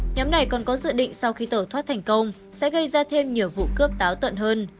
nhóm này còn có dự định sau khi tẩu thoát thành công sẽ gây ra thêm nhiều vụ cướp táo tận hơn